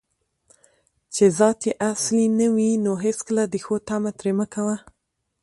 چې ذات یې اصلي نه وي، نو هیڅکله د ښو طمعه ترې مه کوه